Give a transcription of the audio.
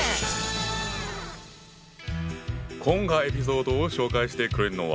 今回エピソードを紹介してくれるのは。